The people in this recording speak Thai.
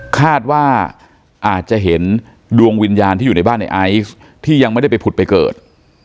คาดว่าอาจจะเห็นดวงวิญญาณที่อยู่ในบ้านในไอซ์ที่ยังไม่ได้ไปผุดไปเกิด